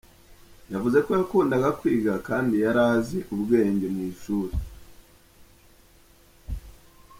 Yavuze ko yakundaga kwiga, kandi yari azi ubwenge mu ishuri.